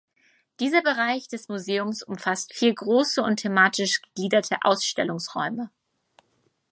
Dieser Bereich des Museums umfasst vier große und thematisch gegliederte Ausstellungsräume.